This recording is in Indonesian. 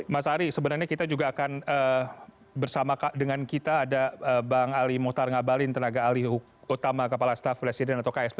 mas ari sebenarnya kita juga akan bersama dengan kita ada bang ali mohtar ngabalin tenaga ahli utama kepala staff presiden atau ksp